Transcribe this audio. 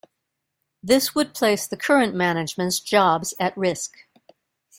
This would place the current management's jobs at risk.